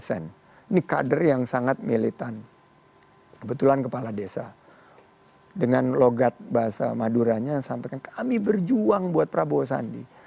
ini kader yang sangat militan kebetulan kepala desa dengan logat bahasa maduranya yang sampaikan kami berjuang buat prabowo sandi